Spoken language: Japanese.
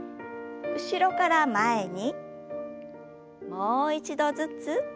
もう一度ずつ。